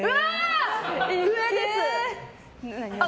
上です！